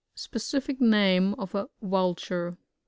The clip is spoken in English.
— Specific name of a Vulture.